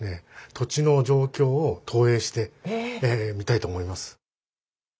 土地の状況を投影してみたいと思います。